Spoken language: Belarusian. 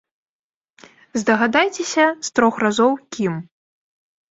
Здагадайцеся з трох разоў, кім?